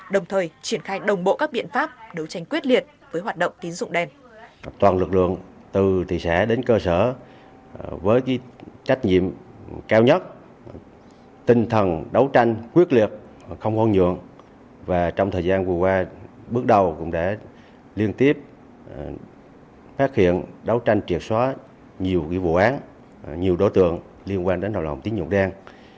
đồng thời triển khai đồng bộ các biện pháp đấu tranh quyết liệt với hoạt động tín dụng đen